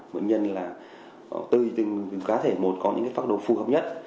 bệnh nhân là từ từng cá thể một có những phác đồ phù hợp nhất